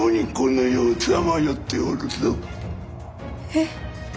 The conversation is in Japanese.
えっ？